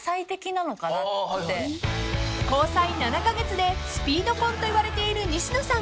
［交際７カ月でスピード婚といわれている西野さん］